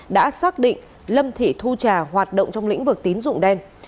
đã xác định lâm thị thu trà hoạt động trong lĩnh vực tín dụng đen